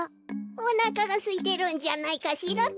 おなかがすいてるんじゃないかしらべ。